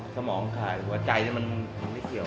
สมองขาดหัวใจมันไม่เกี่ยว